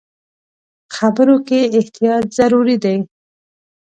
خبرو کې احتیاط ضروري دی.